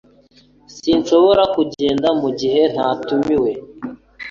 Sinshobora kugenda mugihe ntatumiwe